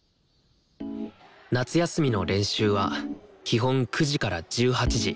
夏休みの練習は基本９時から１８時。